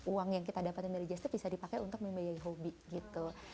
uang yang kita dapat dari just tip bisa dipakai untuk membeli hobi gitu